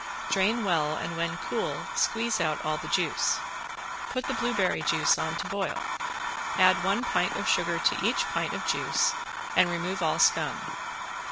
Drain well and when cool squeeze out all the juice. Put the blueberry juice on to boil, add one pint of sugar to each pint of juice and remove all scum.